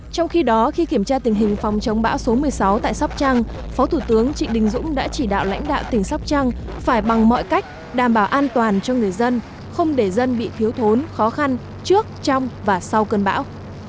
trong khi đó khi kiểm tra tình hình phòng chống bão số một mươi sáu tại sóc trăng phó thủ tướng trịnh đình dũng đã chỉ đạo lãnh đạo tỉnh sóc trăng phải bằng mọi cách đảm bảo an toàn cho người dân không để dân bị thiếu thốn khó khăn trước trong và sau cơn bão